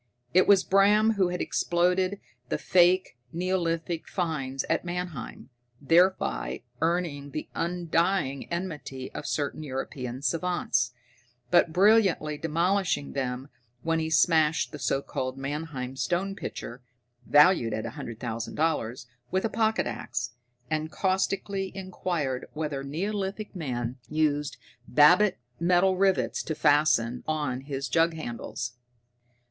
It was Bram who had exploded the faked neolithic finds at Mannheim, thereby earning the undying enmity of certain European savants, but brilliantly demolishing them when he smashed the so called Mannheim stone pitcher (valued at a hundred thousand dollars) with a pocket axe, and caustically inquired whether neolithic man used babbit metal rivets to fasten on his jug handles.